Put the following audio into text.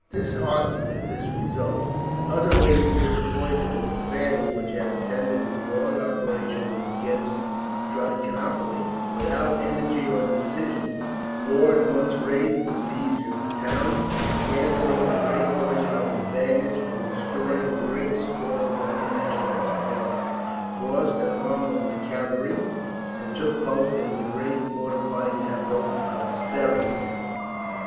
Disheartened at this result, utterly disappointed at the failure which had attended his long operations against Trichinopoli, without energy or decision, Law at once raised the siege of the town, abandoning a great portion of his baggage; and, destroying great stores of ammunition and supplies, crossed an arm of the Kavari and took post in the great fortified temple of Seringam.